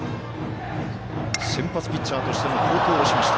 先発ピッチャーとしても好投をしました。